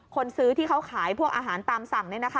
คนซื้อที่เขาขายพวกอาหารตามสั่ง